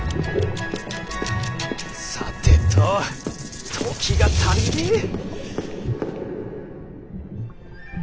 さてと時が足りねぇ！